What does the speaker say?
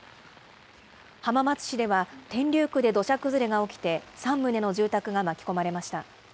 浜松市では天竜区で土砂崩れが起きて、３棟の住宅が巻き込まれました。